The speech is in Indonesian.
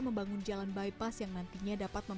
kemanusiaan lgbt inocensi dan keoloqing didedahkan